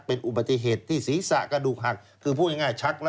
เป็นอุบัติเหตุที่ศีรษะกระดูกหัก